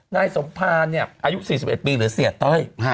นายสมภารเนี่ยอายุ๔๑ปีหรือเสียต้อย